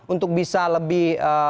untuk bisa lebih